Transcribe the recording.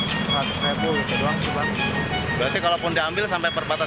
banyak sampai satu kalau tidak ponokopi saja